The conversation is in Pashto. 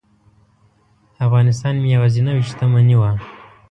افغانستان مې یوازینۍ شتمني وه.